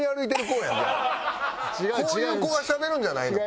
こういう子がしゃべるんじゃないの？